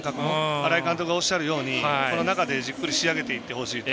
新井監督がおっしゃるようにこの中で、じっくり仕上げていってほしい。